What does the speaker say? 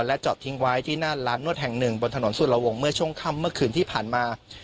จอดทิ้งไว้ที่หน้าร้านนวดแห่งหนึ่งบนถนนสุรวงเมื่อช่วงค่ำเมื่อคืนที่ผ่านมา